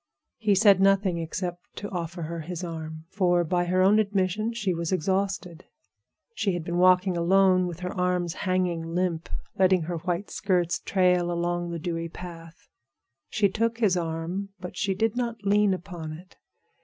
He said nothing except to offer her his arm, for, by her own admission, she was exhausted. She had been walking alone with her arms hanging limp, letting her white skirts trail along the dewy path. She took his arm, but she did not lean upon it.